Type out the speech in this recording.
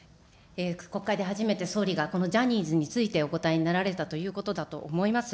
国会で初めて総理がこのジャニーズについてお答えになられたということだと思います。